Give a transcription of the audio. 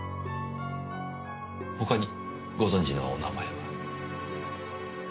他にご存じのお名前は。